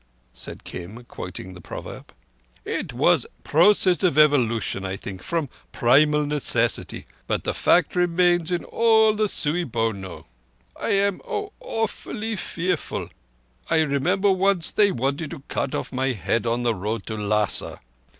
said Kim, quoting the proverb. "It was process of Evolution, I think, from Primal Necessity, but the fact remains in all the cui bono. I am, oh, awfully fearful!—I remember once they wanted to cut off my head on the road to Lhassa.